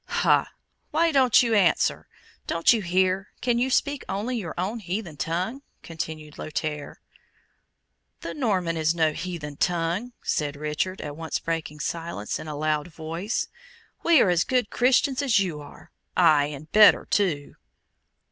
"Ha! why don't you answer? Don't you hear? Can you speak only your own heathen tongue?" continued Lothaire. "The Norman is no heathen tongue!" said Richard, at once breaking silence in a loud voice. "We are as good Christians as you are ay, and better too."